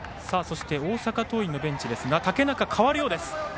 大阪桐蔭のベンチですが竹中、代わるようです。